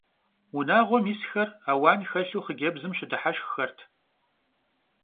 Vunağuem yisxer auan xelhu xhıcebzım şıdıheşşxxert.